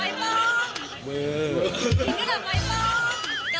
หิดกระบอกไม้ปลอม